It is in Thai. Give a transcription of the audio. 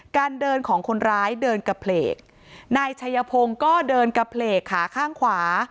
การเดินของคนร้ายเดินกระเพลกนายชัยพงศ์ก็เดินกระเพลกขาข้างขวา